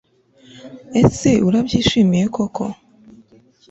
ese urabyishimiye koko